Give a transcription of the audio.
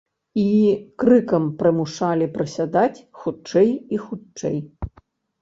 І крыкам прымушалі прысядаць хутчэй і хутчэй.